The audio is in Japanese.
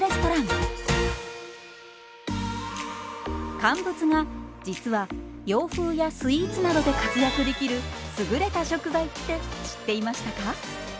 乾物が実は洋風やスイーツなどで活躍できる優れた食材って知っていましたか？